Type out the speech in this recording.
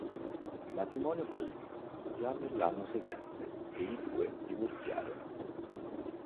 Il matrimonio fallì già nell'anno seguente ed i due divorziarono.